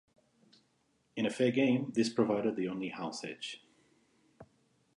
In a fair game, this provided the only "house edge".